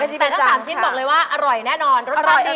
แต่ทั้ง๓ชิ้นบอกเลยว่าอร่อยแน่นอนรสชาติดี